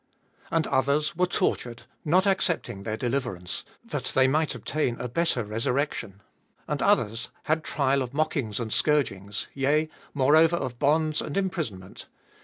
And others were tortured, not accepting their deliverance ; that they might obtain a better resurrection : 36. And others had trial of mockings and scourgings, yea, moreover of bonds and imprisonment: 37.